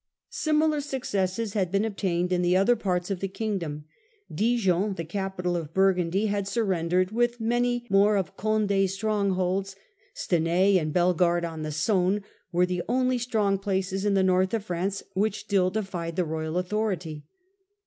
Similar successes had been obtained in the other parts of the kingdom. Dijon, the capital of Burgundy, had sur rendered, with many more of Condd's strongholds. Stenai, and Bellegarde on the Saone, were the only strong places in the north of F ranee which still defied the royal authority.